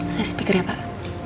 saya speakernya pak